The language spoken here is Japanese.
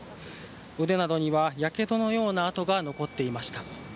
腕などにはやけどのようなあとが残っていました。